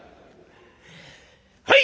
『はい！』。